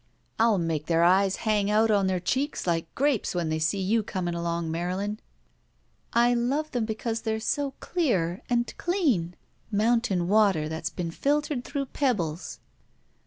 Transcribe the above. I'll make their eyes hang out on their cheeks like grapes when they see you coming along, Marylin." I love them because they're so dear — and clean ! Mountain water that's been filtered through pebbles."